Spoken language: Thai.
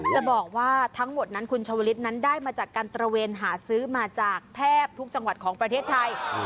จะบอกว่าทั้งหมดนั้นคุณชาวลิศนั้นได้มาจากการตระเวนหาซื้อมาจากแทบทุกจังหวัดของประเทศไทย